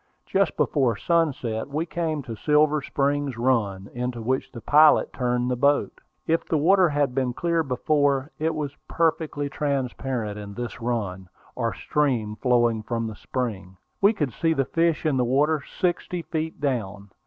Just before sunset we came to Silver Spring Run, into which the pilot turned the boat. If the water had been clear before, it was perfectly transparent in this run, or stream flowing from the spring. We could see the fish in the water, sixty feet down.